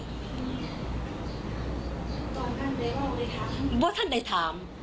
ตอนกั้นได้ว่าเขาได้ถามไม่ว่าท่านได้ถาม